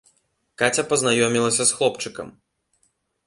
Каця пазнаёмілася з хлопчыкам.